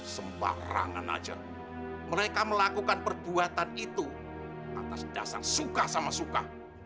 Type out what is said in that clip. sembarangan aja mereka melakukan perbuatan itu atas dasar suka sama suka